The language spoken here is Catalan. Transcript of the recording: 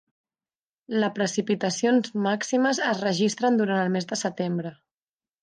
La precipitacions màximes es registren durant el mes de setembre.